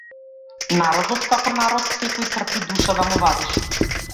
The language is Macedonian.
Народот како народ секој трпи душа да му вадиш.